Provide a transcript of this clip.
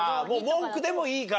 文句でもいいから。